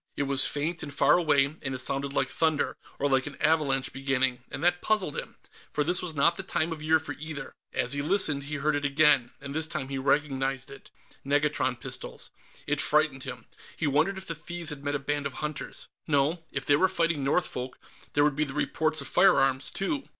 It was faint and far away, and it sounded like thunder, or like an avalanche beginning, and that puzzled him, for this was not the time of year for either. As he listened, he heard it again, and this time he recognized it negatron pistols. It frightened him; he wondered if the thieves had met a band of hunters. No; if they were fighting Northfolk, there would be the reports of firearms, too.